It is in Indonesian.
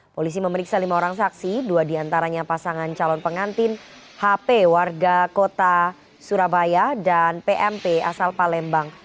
polisi memeriksa lima orang saksi dua diantaranya pasangan calon pengantin hp warga kota surabaya dan pmp asal palembang